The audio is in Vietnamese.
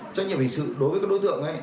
trách nhiệm hình sự đối với đối tượng